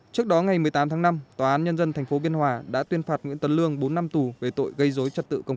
trước đó ngày một mươi tám tháng năm tòa án nhân dân tp biên hòa đã tuyên phạt nguyễn tấn lương bốn năm tù về tội gây dối trật tự công cộng